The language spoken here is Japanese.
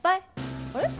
あれ？